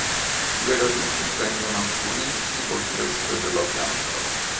Le radici tendono a scurirsi col crescere della pianta.